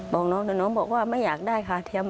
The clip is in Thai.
บอกน้องแต่น้องบอกว่าไม่อยากได้ค่ะเทียม